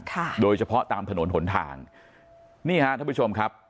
ค่ะโดยเฉพาะตามถนนหนทางนี่ฮะท่านผู้ชมครับ